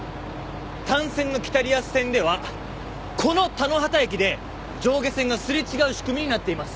単線の北リアス線ではこの田野畑駅で上下線がすれ違う仕組みになっています。